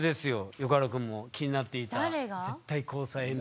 横原くんも気になっていた「絶対交際ＮＧ」。